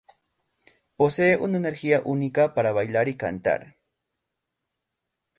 Posee una energía única para bailar y cantar.